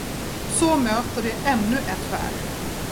Så möter det ännu ett skär.